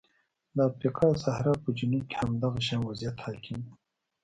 د افریقا صحرا په جنوب کې هم دغه شان وضعیت حاکم و.